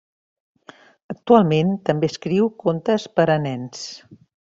Actualment també escriu contes per a nens.